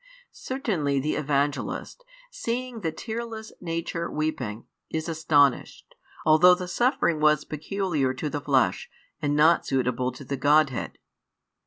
Certainly the Evangelist, seeing the tearless Nature weeping, is astonished, although the suffering was peculiar to the flesh, and not suitable to the Godhead.